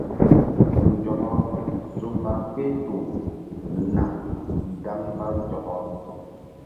Nzɔkɔ su mba kpehkpuh naŋ gaŋ mba nzɔkɔ.